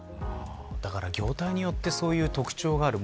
だから、業態によってそういう特徴がある。